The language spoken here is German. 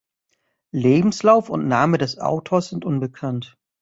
Lebenslauf und Name des Autors sind unbekannt.